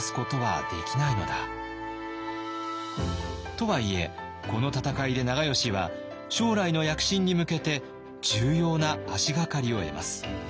とはいえこの戦いで長慶は将来の躍進に向けて重要な足がかりを得ます。